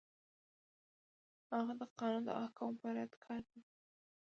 هغه د قانون د احکامو په رعایت کار کوي.